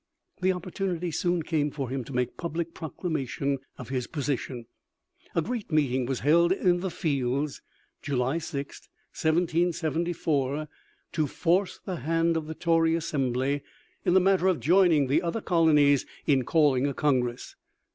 The opportunity soon came for him to make public proclamation of his position. A great meeting was held in the "Fields" (July 6, 1774), to force the hand of the Tory Assembly in the matter of joining the other colonies in calling a Congress.